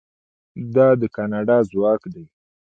دا د کاناډا ځواک دی.